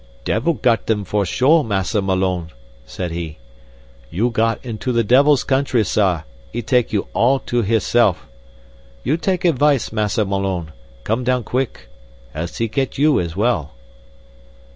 "Devil got them for sure, Massa Malone," said he. "You got into the devil's country, sah, and he take you all to himself. You take advice, Massa Malone, and come down quick, else he get you as well."